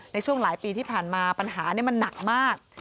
ในช่วงหลายปีที่ผ่านมาปัญหามันหนักมาก